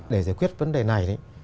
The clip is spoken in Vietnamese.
để giải quyết vấn đề này